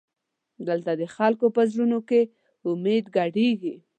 دلته د خلکو په زړونو کې امید ګډېږي.